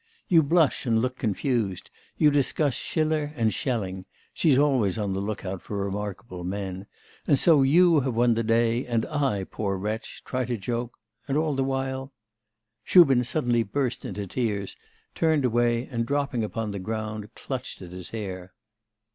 You blush and look confused, you discuss Schiller and Schelling (she's always on the look out for remarkable men), and so you have won the day, and I, poor wretch, try to joke and all the while ' Shubin suddenly burst into tears, turned away, and dropping upon the ground clutched at his hair.